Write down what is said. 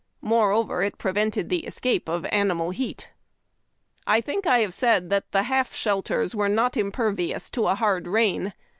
Moreover, it prevented the escape of animal heat. I think I have said that the lialf shelters were not imper vious to a hard rain.